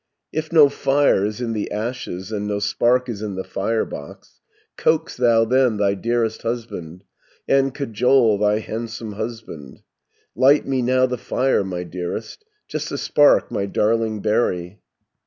130 "If no fire is in the ashes, And no spark is in the firebox, Coax thou then thy dearest husband, And cajole thy handsome husband: 'Light me now the fire, my dearest, Just a spark, my darling berry!'